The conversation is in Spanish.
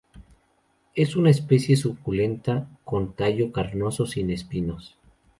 Es una especie suculenta con tallo carnoso sin espinos.